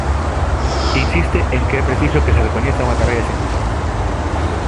Insiste en que é preciso que se recoñeza unha carreira científica.